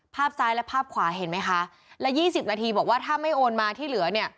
ภาพซ้ายและภาพขวาเห็นไหมคะและยี่สิบนาทีบอกว่าถ้าไม่โอนมาที่เหลือเนี่ย